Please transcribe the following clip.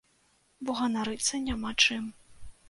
Бо ганарыцца няма чым.